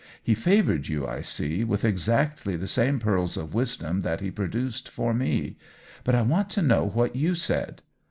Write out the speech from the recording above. " He favored you, I see, with exactly the same pearls of wisdom that he produced for me. But I want to know what you said."